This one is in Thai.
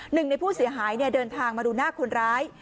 หนึ่งในผู้เสียหายเดินทางมาดูหน้าคนร้าย